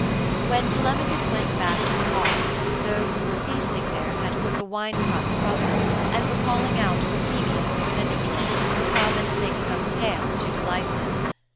III When Telemachus went back to the hall those who were feasting there had put the wine cups from them and were calling out for Phemius, the minstrel, to come and sing some tale to delight them.